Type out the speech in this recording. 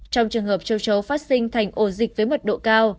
trong trường hợp châu chấu phát sinh thành ổ dịch với mật độ cao